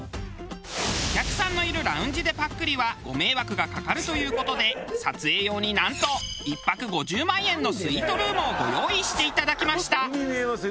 お客さんのいるラウンジでぱっくりはご迷惑がかかるという事で撮影用になんと１泊５０万円のスイートルームをご用意していただきました。